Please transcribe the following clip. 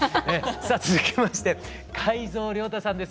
さあ続きまして海蔵亮太さんです。